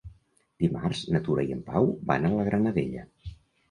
Dimarts na Tura i en Pau van a la Granadella.